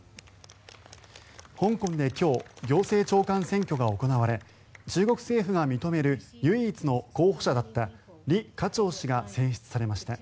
香港で今日行政長官選挙が行われ中国政府が認める唯一の候補者だったリ・カチョウ氏が選出されました。